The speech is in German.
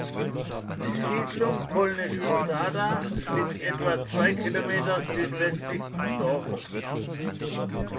Die Siedlung (polnisch "Osada") liegt etwa zwei Kilometer südwestlich des Dorfes.